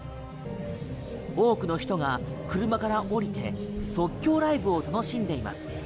多くの人が車から降りて即興ライブを楽しんでいます。